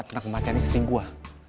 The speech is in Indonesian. tentang kematian istri gue